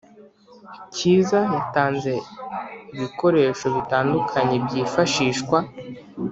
Cyiza yatanze ibikoresho bitandukanye byifashishwa